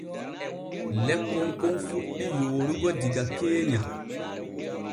Lekkon kon fuɗɗi yoorugo diga keenya.